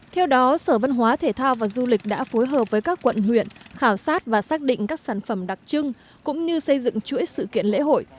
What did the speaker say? theo đó sở văn hóa thể thao và du lịch đã phối hợp với các quận huyện khảo sát và xác định các sản phẩm đặc trưng cũng như xây dựng chuỗi sự kiện lễ hội